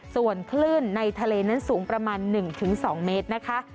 ส่วนคลื่นในทะเลนั้นสูงประมาณ๑๒เมตรนะคะ